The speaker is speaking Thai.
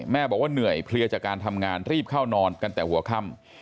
บอกว่าเหนื่อยเพลียจากการทำงานรีบเข้านอนกันแต่หัวค่ำ